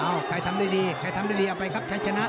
ใครทำได้ดีใครทำได้ดีเอาไปครับชัยชนะ